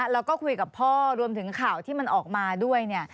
แล้วก็คุยกับพ่อรวมถึงข่าวที่มันออกมาด้วยเนี่ย